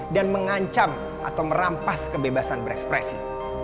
dan mengancam atau merampas kebebasan berekspresi